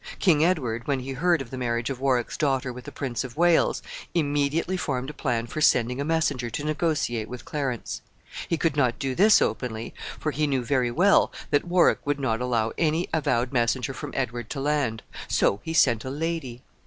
King Edward, when he heard of the marriage of Warwick's daughter with the Prince of Wales, immediately formed a plan for sending a messenger to negotiate with Clarence. He could not do this openly, for he knew very well that Warwick would not allow any avowed messenger from Edward to land; so he sent a lady.